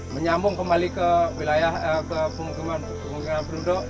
menyambung kembali ke wilayah penghubungan penduduk